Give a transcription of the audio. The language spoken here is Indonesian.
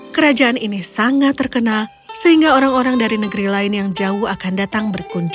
kerajaan ini sangat terkenal sehingga orang orang dari negeri lain yang jauh akan datang berkunjung